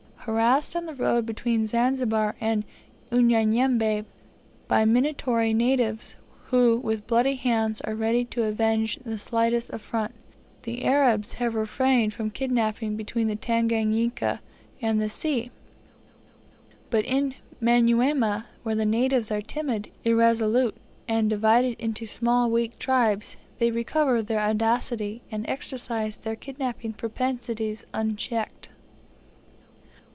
Harassed on the road between Zanzibar and Unyanyembe by minatory natives, who with bloody hands are ready to avenge the slightest affront, the Arabs have refrained from kidnapping between the Tanganika and the sea; but in Manyuema, where the natives are timid, irresolute, and divided into small weak tribes, they recover their audacity, and exercise their kidnapping propensities unchecked.